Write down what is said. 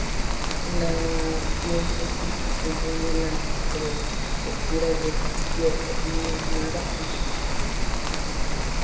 La diócesis comprende las prefecturas de Kioto, Mie, Nara y Shiga.